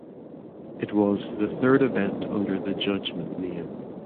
It was the third event under the Judgement name.